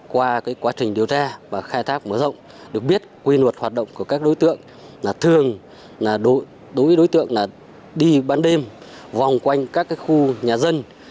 qua quá trình điều tra và khai thác mở rộng được biết quy luật hoạt động của các đối tượng là thường đối với đối tượng đi bán đêm vòng quanh các khu nhà dân